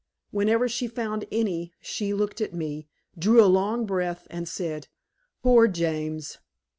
Whenever she found any she looked at me, drew a long breath, and said, "Poor James!"